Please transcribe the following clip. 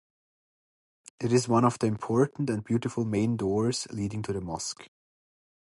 It is one of the important and beautiful main doors leading to the mosque.